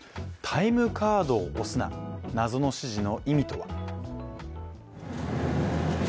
タイムカードを押すな、謎の指示の意味とは。